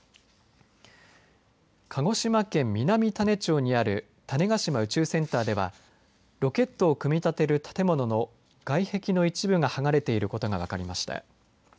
鹿児島県南種子町にある種子島宇宙センターではロケットを組み立てる建物の外壁の一部がはがれていることが分かりました。